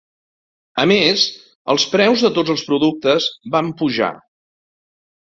A més els preus de tots els productes van pujar.